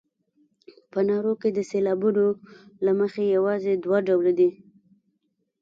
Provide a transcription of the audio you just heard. په نارو کې د سېلابونو له مخې یوازې دوه ډوله دي.